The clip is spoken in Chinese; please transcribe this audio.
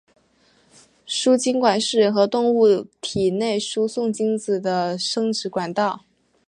输精管是人和动物体内输送精子的生殖管道。